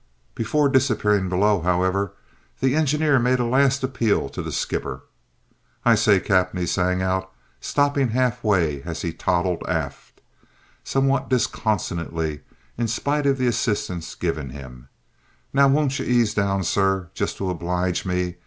Before disappearing below, however, the engineer made a last appeal to the skipper. "I say, cap'en," he sang out, stopping half way as he toddled aft, somewhat disconsolately in spite of the assistance given him, "now won't you ease down, sir, just to oblige me?